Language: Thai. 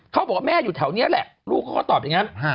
เขาบอกแม่อยู่แถวเนี่ยแหละลูกคือเขาตอบอย่างงั้น